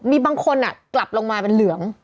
มีบางคนกลับลงมาเป็นเหลือง